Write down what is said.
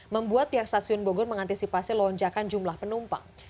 membuat pihak stasiun bogor mengantisipasi lonjakan jumlah penumpang